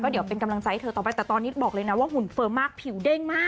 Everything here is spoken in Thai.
เดี๋ยวเป็นกำลังใจให้เธอต่อไปแต่ตอนนี้บอกเลยนะว่าหุ่นเฟิร์มมากผิวเด้งมาก